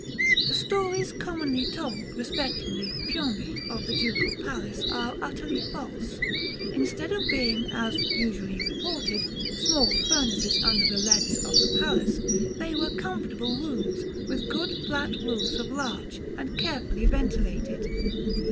The stories commonly told respecting the "piombi" of the Ducal Palace are utterly false. Instead of being, as usually reported, small furnaces under the leads of the palace, they were comfortable rooms, with good flat roofs of larch, and carefully ventilated.